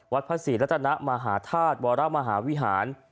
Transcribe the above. พระศรีรัตนมหาธาตุวรมหาวิหาร